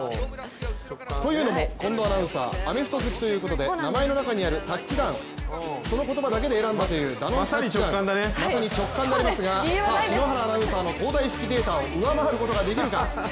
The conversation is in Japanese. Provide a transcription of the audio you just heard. というのも近藤アナウンサーアメフト好きということで名前の中にあるタッチダウン、その言葉だけで選んだという、まさに直感になりますが、篠原アナウンサーの東大式データを上回ることができるか？